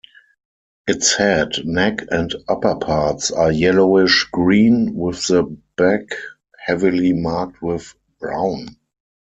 Its head, neck and upperparts are yellowish-green, with the back heavily marked with brown.